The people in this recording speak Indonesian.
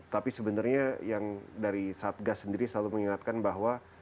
tapi sebenarnya yang dari satgas sendiri selalu mengingatkan bahwa